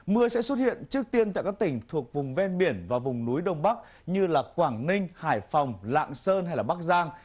mưa sẽ xuất hiện trước tiên tại các tỉnh thuộc vùng ven biển và vùng núi đông bắc như quảng ninh hải phòng lạng sơn hay bắc giang